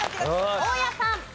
大家さん。